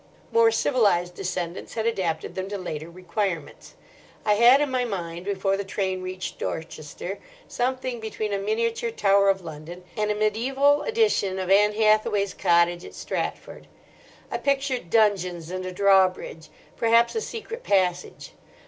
More civilised descendants had adapted them to later requirements. I had in my mind, before the train reached Dorchester, something between a miniature Tower of London and a mediæval edition of Ann Hathaway's cottage at Stratford. I pictured dungeons and a drawbridge, perhaps a secret passage.